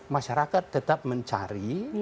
masyarakat tetap mencari